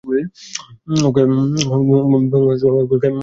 ওকে এবং ওর ক্রুদের এক্ষুনি বলো রাইমের বাড়ি খালি করতে।